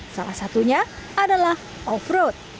salah satunya adalah off road